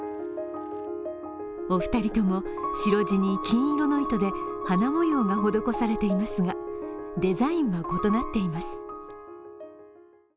お二人とも、白地に金色の糸で花模様が施されていますが、デザインは異なっています。